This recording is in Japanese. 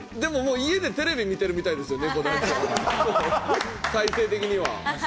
家でテレビを見ているみたいですね。